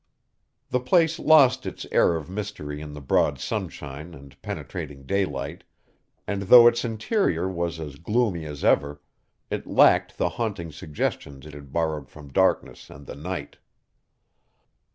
The place lost its air of mystery in the broad sunshine and penetrating daylight, and though its interior was as gloomy as ever, it lacked the haunting suggestions it had borrowed from darkness and the night.